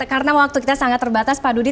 karena waktu kita sangat terbatas pak dudi